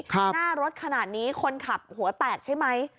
หน้ารถขนาดนี้คนขับหัวแตกใช่ไหม